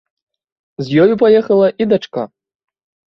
З ёю паехала і дачка.